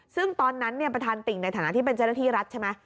ซึ่งตอนนั้นประธานติ่งในฐานะที่เป็นเจ้าหน้าที่รัฐใช่ไหม